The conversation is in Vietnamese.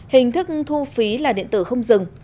hình thức thu phí là điện tử không dừng